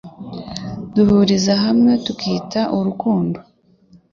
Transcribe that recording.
duhuriza hamwe tukita urukundo. ”